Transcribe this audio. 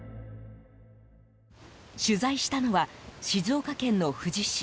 取材したのは、静岡県の富士市。